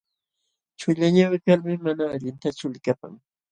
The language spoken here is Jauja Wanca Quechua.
Chullañawi kalmi mana allintachu likapan.